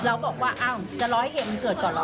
แล้วบอกว่าจะรอให้เหตุมันเกิดก่อนเหรอ